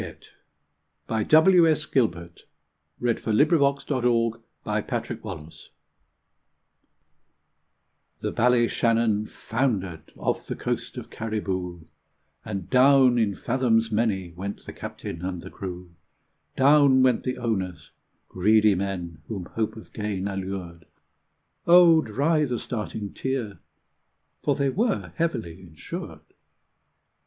Never you mind! Roll on! (It rolls on.) W. S. Gilbert. ETIQUETTE The Ballyshannon foundered off the coast of Cariboo, And down in fathoms many went the captain and the crew; Down went the owners greedy men whom hope of gain allured: Oh, dry the starting tear, for they were heavily insured.